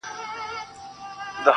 • هم ښکاري ؤ هم جنګي ؤ هم غښتلی..